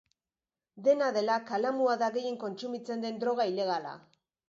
Dena dela, kalamua da gehien kontsumitzen den droga ilegala.